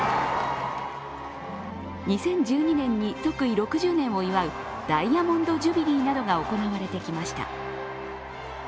２０１２年に、即位６０年を祝うダイヤモンド・ジュビリーなどが行われてきました。